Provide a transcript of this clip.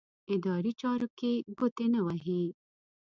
اداري چارو کې ګوتې نه وهي.